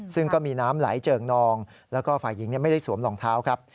ซึ่งก็มีน้ำไหลเจิงนองแล้วก็ฝ่ายหญิงไม่ได้สวมรองเท้าครับ